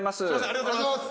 ・ありがとうございます